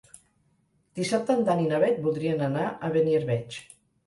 Dissabte en Dan i na Bet voldrien anar a Beniarbeig.